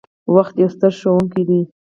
• وخت یو ستر ښوونکی دی.